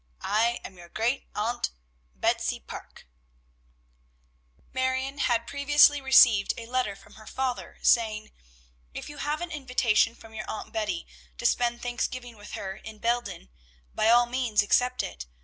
I am your great aunt, BETSY PARKE. Marion had previously received a letter from her father, saying, "If you have an invitation from your Aunt Betty to spend Thanksgiving with her in Belden, by all means accept it.